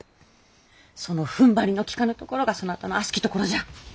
そのふんばりのきかぬところがそなたの悪しきところじゃ！